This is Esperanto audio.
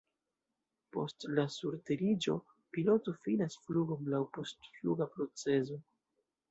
Post la surteriĝo, piloto finas flugon laŭ post-fluga procezo.